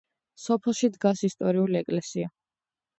სოფელში დგას ისტორიული ეკლესია.